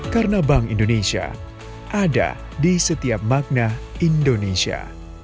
karena bank indonesia ada di setiap makna indonesia